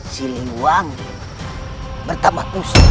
siliwangi bertambah pusing